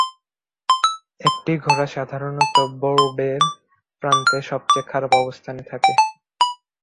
একটি ঘোড়া সাধারণত বোর্ডের প্রান্তে সবচেয়ে খারাপ অবস্থানে থাকে।